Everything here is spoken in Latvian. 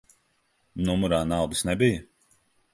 Numurā naudas nebija?